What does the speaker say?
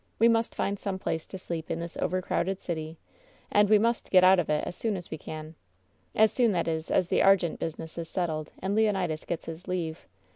We must fiad some place to sleep in this over crowded city. And we must get 7« WHEN SHADOWS DIE out of it as soon as we can. As soon, that is, as the Ar* gente business is settled and Leonidas gets his leave.